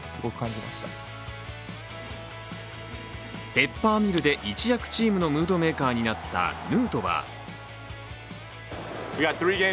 ペッパーミルで一躍チームのムードメーカーになったヌートバー。